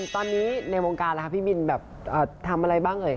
ตอนนี้ในวงการฟี่บินทำอะไรบ้าง